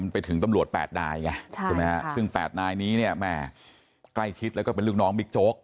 ไปถึงตำรวจ๘นายไงใช่ไหมฮะซึ่ง๘นายนี้เนี่ยแม่ใกล้ชิดแล้วก็เป็นลูกน้องบิ๊กโจ๊ก